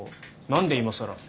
何で今更？